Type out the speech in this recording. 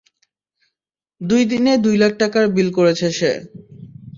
দুই দিনে দুই লাখ টাকার বিল করেছে সে।